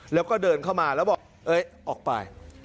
แล้วก็เดินเข้ามาแล้วบอกเอ้ยออกไป